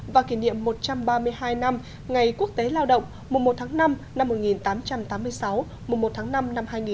và kỷ niệm một trăm ba mươi hai năm ngày quốc tế lao động mùa một tháng năm năm một nghìn tám trăm tám mươi sáu mùa một tháng năm năm hai nghìn một mươi chín